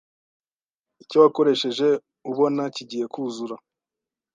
icyo wakoresheje ubona kigiye kuzura,